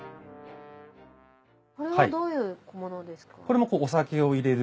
これはどういうものですか？